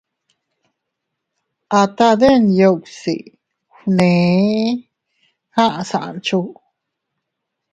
—A taʼa Denyuksi fnee —aʼa Sancho—.